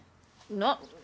なっ！